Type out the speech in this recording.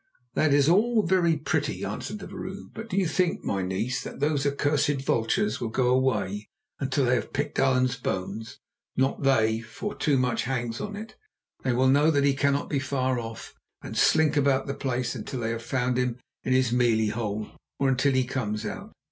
"That is all very pretty," answered the vrouw; "but do you think, my niece, that those accursed vultures will go away until they have picked Allan's bones? Not they, for too much hangs on it. They will know that he cannot be far off, and slink about the place until they have found him in his mealie hole or until he comes out.